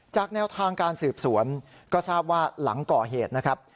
แนวทางการสืบสวนก็ทราบว่าหลังก่อเหตุนะครับ